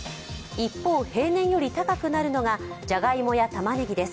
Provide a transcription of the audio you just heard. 一方、平年より高くなるのがじゃがいもやたまねぎです。